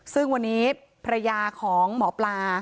ซึ่งวันนี้ภรรยาของหมอปลา